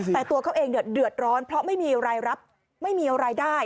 แต่ตัวเขาเองเดือดร้อนเพราะไม่มีรายรับไม่มีรายได้